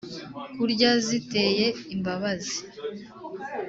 kurya ziteye imbabazi